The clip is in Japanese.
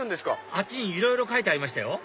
⁉あっちにいろいろ書いてありましたよ